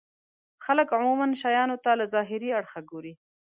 خلک عموما شيانو ته له ظاهري اړخه ګوري.